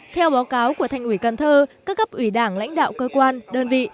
theo báo cáo của thành ủy cần thơ các cấp ủy đảng lãnh đạo cơ quan đơn vị